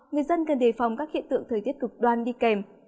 người dân cần đề phòng các hiện tượng thời tiết cực đoan đi kèm